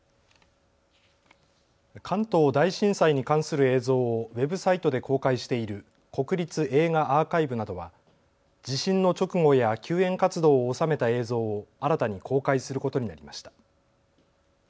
関東大震災に関する映像をウェブサイトで公開している国立映画アーカイブなどは地震の直後や救援活動を収めた映像を新たに公開することになりました。